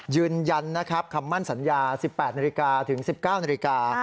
ยืนยันนะครับคำมั่นสัญญา๑๘นาฬิกาถึง๑๙นาฬิกา